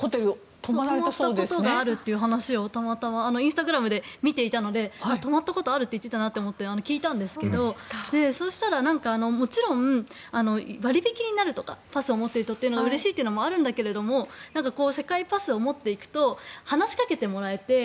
泊まったことがあるという話をたまたまインスタグラムで見ていたので泊まったことあるなと言ってたなと思って聞いたんですけどそうしたら、もちろん割引になるとかパスを持っているとというのはうれしいというのはあるんだけどセカイパスを持っていくと話しかけてもらえて。